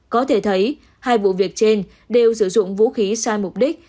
có thể thấy hai vụ việc trên đều sử dụng vũ khí sai mục đích